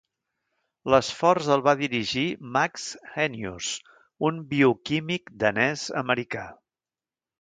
L'esforç el va dirigir Max Henius, un bioquímic danès-americà.